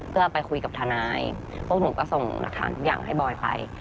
เพื่อไปคุยกับทนายพวกหนูก็ส่งหลักฐานทุกอย่างให้บอยไป